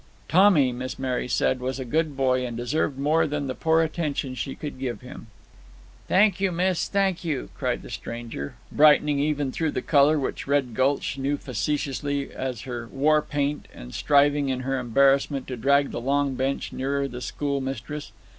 Tommy, Miss Mary said, was a good boy, and deserved more than the poor attention she could give him. "Thank you, miss; thank ye!" cried the stranger, brightening even through the color which Red Gulch knew facetiously as her "war paint," and striving, in her embarrassment, to drag the long bench nearer the schoolmistress.